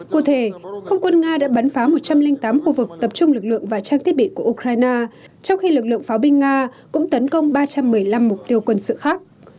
cụ thể không quân nga đã bắn phá một trăm linh tám khu vực tập trung lực lượng và trang thiết bị của ukraine trong khi lực lượng pháo binh nga cũng tấn công ba trăm một mươi năm mục tiêu quân sự khác